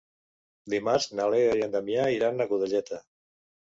Dimarts na Lea i en Damià iran a Godelleta.